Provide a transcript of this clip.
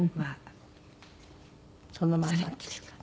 そのまんまですか。